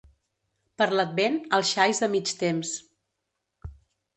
Per l'advent, els xais de mig temps.